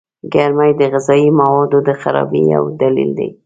گرمي د غذايي موادو د خرابۍ يو دليل دئ.